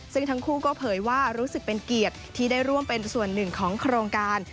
ซึ่งทั้งคู่ก็เผยว่ารู้สึกเป็นเกียรติที่ได้ร่วมเป็นส่วนหนึ่งของโครงการ